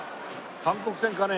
韓国戦かね？